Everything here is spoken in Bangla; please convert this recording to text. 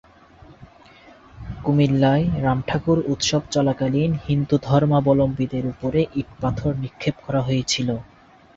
কুমিল্লায় রাম ঠাকুর উৎসব চলাকালীন হিন্দু ধর্মাবলম্বীদের উপরে ইট-পাথর নিক্ষেপ করা হয়েছিল।